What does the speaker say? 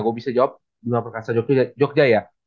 gua bisa jawab biong perkasa jogja ya